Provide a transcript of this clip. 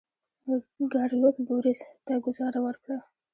ګارلوک بوریس ته ګوزاره ورکړه.